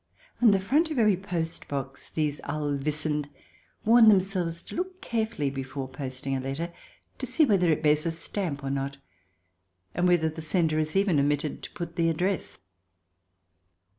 On the front of every post box these Allwissend warn them selves to look carefully, before posting a letter, to see whether it bears a stamp or not, and whether the sender has even omitted to put the address.